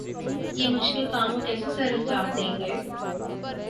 یہ مشکل کام وہ کیسے سرانجام دیں گے؟